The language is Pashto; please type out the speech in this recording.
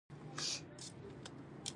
موږ باید د تکنالوژی سره بلد وو